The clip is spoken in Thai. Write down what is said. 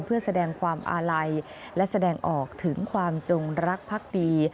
เพื่อแสดงความอาลัยและแสดงออกถึงความจงรักพักดี